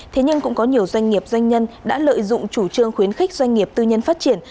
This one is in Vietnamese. thế nhưng cũng có nhiều doanh nghiệp doanh nhân đã lợi dụng chủ trương khuyến khích doanh nghiệp tư nhân phát triển